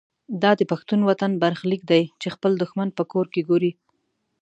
دا د پښتون وطن برخلیک دی چې خپل دښمن په کور کې ګوري.